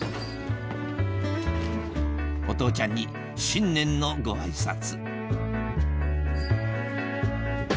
お父ちゃんに新年のご挨拶